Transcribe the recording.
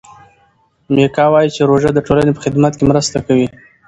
میکا وايي چې روژه د ټولنې په خدمت کې مرسته کوي.